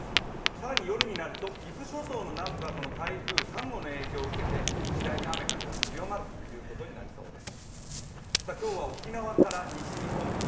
更に夜になると伊豆諸島の南部は台風３号の影響を受けてしだいに雨・風が強まるということになりそうです。